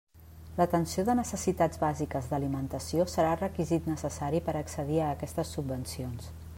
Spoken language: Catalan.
L'atenció de necessitats bàsiques d'alimentació serà requisit necessari per accedir a aquestes subvencions.